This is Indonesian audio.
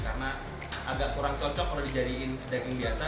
karena agak kurang cocok kalau dijadikan daging biasa